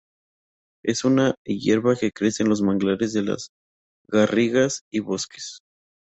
Es una hierba que crece en los márgenes de las garrigas y bosques.